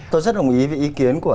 tôi rất đồng ý với ý kiến của